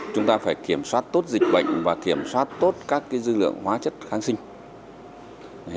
chúng ta phải kiểm soát tốt dịch bệnh và kiểm soát tốt các dư lượng hóa chất kháng sinh